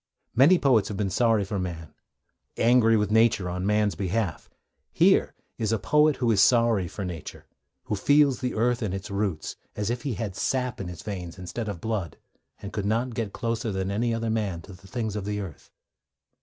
Many poets have been sorry for man, angry with Nature on man's behalf. Here is a poet who is sorry for Nature, who feels the earth and its roots, as if he had sap in his veins instead of blood, and could get closer than any other man to the things of the earth.